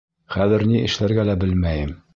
Хәҙер ни эшләргә лә белмәйем...